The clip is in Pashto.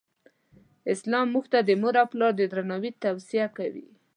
اسلام مونږ ته د مور او پلار د درناوې توصیه کوی.